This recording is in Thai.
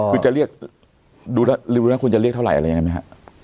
ปริโมเวณเรียกเท่าไร